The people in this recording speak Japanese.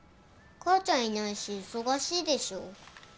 母ちゃんいないし忙しいでしょ。